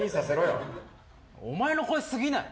お前の声過ぎない？